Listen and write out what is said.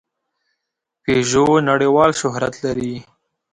پيژو نړۍوال شهرت لري.